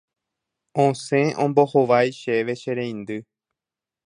Osẽ ombohovái chéve che reindy